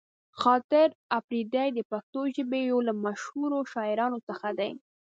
خاطر اپريدی د پښتو ژبې يو له مشهورو شاعرانو څخه دې.